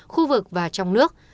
khu vực và trong nước